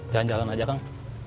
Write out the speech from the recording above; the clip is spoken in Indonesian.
jalan jalan aja kang